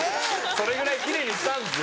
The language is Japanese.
それぐらい奇麗にしたんですよ。